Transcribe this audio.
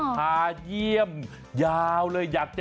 ไปยี่บ้าน